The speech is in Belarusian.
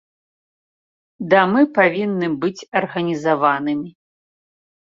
Дамы павінны быць арганізаванымі.